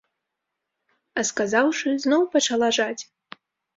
А сказаўшы, зноў пачала жаць.